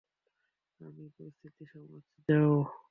আমি পরিস্থিতি সামলাচ্ছি, যাও।